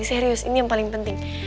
serius ini yang paling penting